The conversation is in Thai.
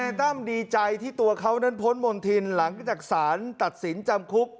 ตั้มดีใจที่ตัวเขานั้นพ้นมณฑินหลังจากสารตัดสินจำคุก